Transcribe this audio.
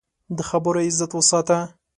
د خبرو عزت وساته